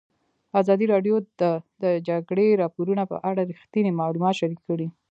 ازادي راډیو د د جګړې راپورونه په اړه رښتیني معلومات شریک کړي.